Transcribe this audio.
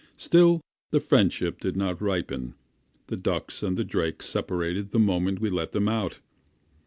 Still the friendship did not ripen; the ducks and the drake separated the moment we let them out.